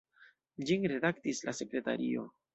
Ĝin redaktis la sekretario.